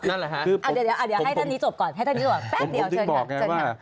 อ่าเดี๋ยวให้ท่านนี้จบก่อนให้ท่านนี้รอแป๊บเดี๋ยวเชิญครับ